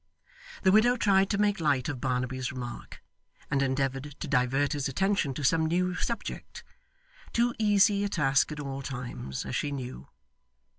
The widow tried to make light of Barnaby's remark, and endeavoured to divert his attention to some new subject; too easy a task at all times, as she knew.